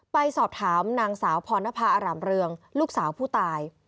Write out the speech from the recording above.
ไปสอบถามนางสาวพรณภาอารามเรืองลูกสาวผู้ตาย